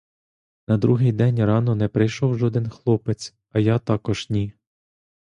На другий день рано не прийшов жоден хлопець а я також ні.